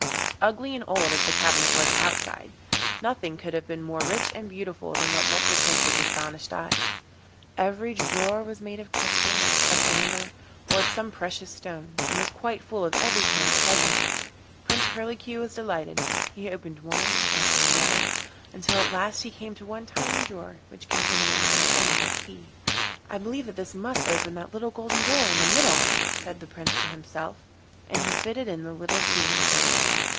Ugly and old as the cabinet was outside, nothing could have been more rich and beautiful than what met the Prince's astonished eyes. Every drawer was made of crystal, of amber, or of some precious stone, and was quite full of every kind of treasure. Prince Curlicue was delighted; he opened one after another, until at last he came to one tiny drawer which contained only an emerald key. 'I believe that this must open that little golden door in the middle,' said the Prince to himself. And he fitted in the little key and turned it.